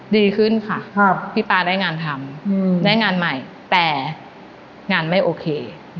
ดีขึ้นค่ะพี่ป๊าได้งานทำได้งานใหม่แต่งานไม่โอเค